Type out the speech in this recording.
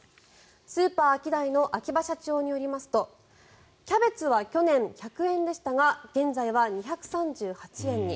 スーパーアキダイの秋葉社長によりますとキャベツは去年１００円でしたが現在は２３８円に。